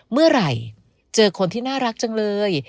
เมื่อไหร่เจอคนที่น่ารักจังเลย